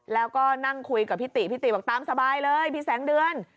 แล้วก็นั่งคุยกับพี่ติพี่ติบอกตามสบายเลยพี่แสงเดือน